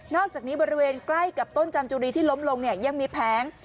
อกจากนี้บริเวณใกล้กับต้นจามจุรีที่ล้มลงเนี่ยยังมีแผง